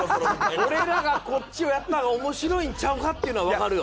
俺らがこっちをやったらおもしろいんちゃうかっていうのはわかるよ。